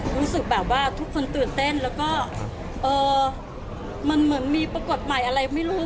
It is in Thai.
รู้สึกว่าทุกคนตื่นเต้นแล้วก็มันเหมือนมีปรากฏใหม่อะไรไม่รู้